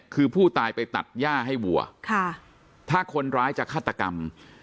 คือผู้ตายไปตัดย่าให้วัวถ้าคนร้ายจะฆาตกรรม